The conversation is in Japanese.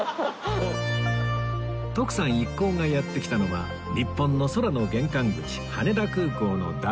徳さん一行がやって来たのは日本の空の玄関口羽田空港の第１ターミナル